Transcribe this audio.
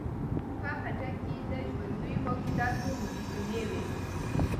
په هډه کې د ژوندیو موجوداتو مجسمې وې